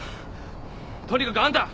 とにかくあんた！